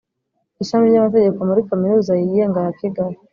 Ishami ry’amategeko muri Kaminuza yigenga ya Kigali